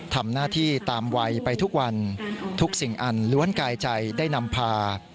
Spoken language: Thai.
ทำหน้าที่ตามวัยไปทุกวันทุกสิ่งอันล้วนกายใจได้นำพา